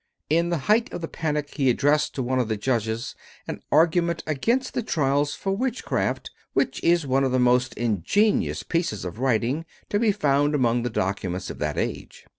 In the height of the panic he addressed to one of the judges an argument against the trials for witchcraft which is one of the most ingenious pieces of writing to be found among the documents of that age.